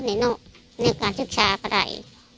กินโทษส่องแล้วอย่างนี้ก็ได้